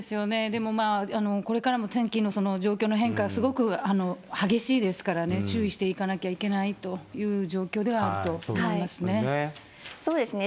でも、これからも天気の状況の変化、すごく激しいですからね、注意していかなきゃいけないという状況ではあると思いますね。